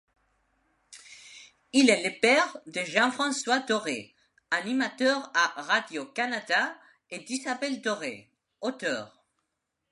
Il est le père de Jean-François Doré, animateur à Radio-Canada et d'Isabelle Doré, auteur.